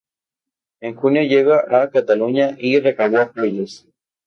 En junio llegó a Cataluña y recabó apoyos.